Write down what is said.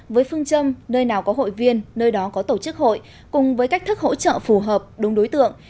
với phương châm nơi nào có hội viên nơi đó có tổ chức hội cùng với cách thức hỗ trợ phù hợp đúng đối tượng